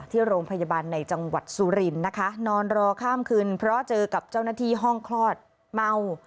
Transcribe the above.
ที่โรงพยาบาลในจังหวัดสุรินทร์นะคะนอนรอข้ามคืนเพราะเจอกับเจ้าหน้าที่ห้องคลอดเมา